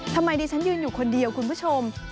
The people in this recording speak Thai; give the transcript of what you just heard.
ทำไมดิฉันยืนอยู่คนเดียวคุณผู้ชม